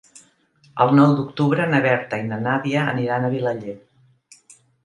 El nou d'octubre na Berta i na Nàdia aniran a Vilaller.